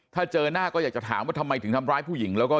ถ้าเจอหน้าก็อยากจะถามว่าทำไมถึงทำร้ายผู้หญิงแล้วก็